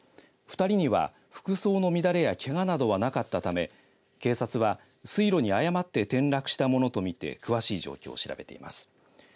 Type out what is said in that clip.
２人には服装の乱れやけがなどがなかったため警察は水路に誤って転落したものとみて詳しい状況を調べています。